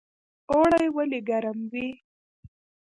اوړی ولې ګرم وي؟